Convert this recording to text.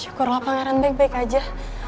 syukurlah pangeran baik baik aja